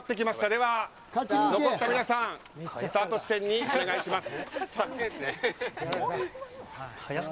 では、残った皆さんスタート地点にお願いします。